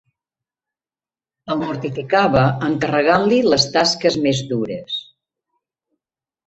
El mortificava encarregant-li les tasques més dures.